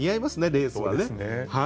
レースはね。